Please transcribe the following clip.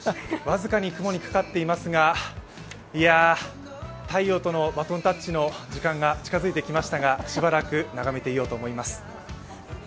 僅かに雲にかかっていますが、いや、太陽とのバトンタッチの時間が近づいてきましたがしばらく眺めていようと思います。